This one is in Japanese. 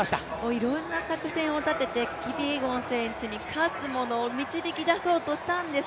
いろんな作戦を立ててキピエゴン選手に勝つものを導き出そうとしたんです。